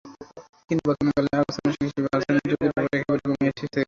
কিন্তু বর্তমান কালে আগাছানাশক হিসেবে আর্সেনিক যৌগের ব্যবহার একেবারেই কমে এসেছে।